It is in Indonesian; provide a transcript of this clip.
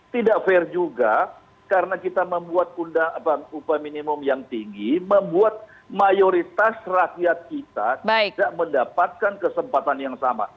tidak fair juga karena kita membuat upah minimum yang tinggi membuat mayoritas rakyat kita tidak mendapatkan kesempatan yang sama